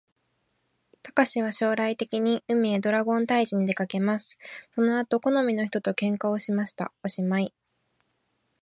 たかしは将来的に、海へドラゴン退治にでかけます。その後好みの人と喧嘩しました。おしまい